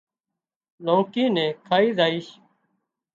لونڪي نين کائي زائيش